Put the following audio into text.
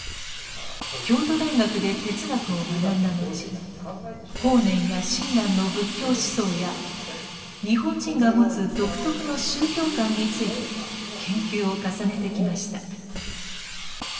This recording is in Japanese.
京都大学で哲学を学んだのち法然や親鸞の仏教思想や日本人が持つ独特の宗教観について研究を重ねてきました。